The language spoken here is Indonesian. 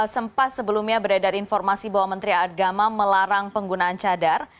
sempat sebelumnya beredar informasi bahwa menteri agama melarang penggunaan cadar